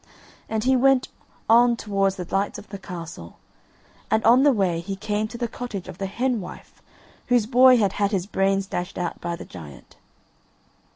And he went on towards the lights of the castle, and on the way he came to the cottage of the hen wife whose boy had had his brains dashed out by the giant.